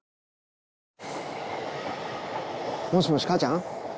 もしもし母ちゃん？